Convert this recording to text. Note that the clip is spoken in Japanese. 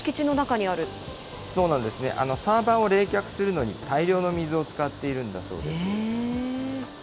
そうなんですね、サーバーを冷却するのに大量の水を使っているんだそうです。